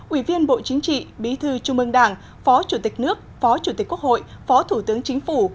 ủy viên bộ chính trị bí thư trung ương đảng phó chủ tịch nước phó chủ tịch quốc hội phó thủ tướng chính phủ